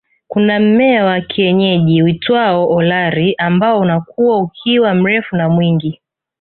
Kuna mmea wa kienyeji uitwao Olari ambao unakua ukiwa mrefu na mwingi